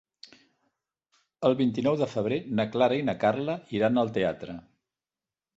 El vint-i-nou de febrer na Clara i na Carla iran al teatre.